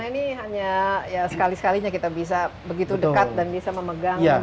karena ini hanya ya sekali sekalinya kita bisa begitu dekat dan bisa memperkenalkan